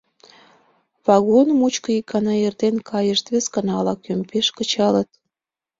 Вагон мучко ик гана эртен кайышт, вес гана — ала-кӧм пеш кычалыт.